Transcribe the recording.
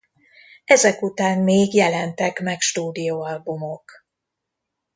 Ezek után még jelentek meg stúdióalbumok.